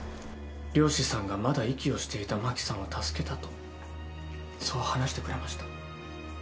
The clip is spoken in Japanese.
漁師さんがまだ息をしていた真紀さんを助けたとそう話してくれました。